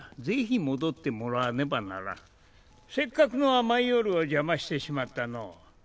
ぜひ戻ってもらわねばならんせっかくの甘い夜を邪魔してしまったのう